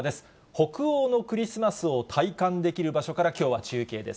北欧のクリスマスを体感できる場所からきょうは中継です。